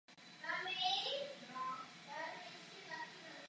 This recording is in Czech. Poté se stal lékařem v Dětské nemocnici císaře Františka Josefa.